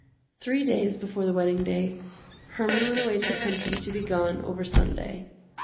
Three days before the wedding day, Herman went away to the country to be gone over Sunday.